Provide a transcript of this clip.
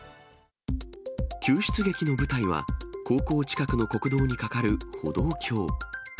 救出劇の舞台は、高校近くの国道に架かる歩道橋。